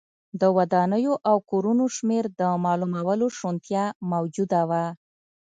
د ودانیو او کورونو شمېر د معلومولو شونتیا موجوده وه.